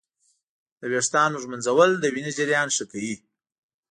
د ویښتانو ږمنځول د وینې جریان ښه کوي.